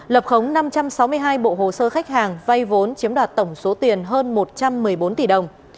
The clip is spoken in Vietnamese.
lập khống năm trăm sáu mươi hai bộ hồ sơ khách hàng vay vốn chiếm đoạt tổng số tiền hơn một trăm một mươi bốn tỷ đồng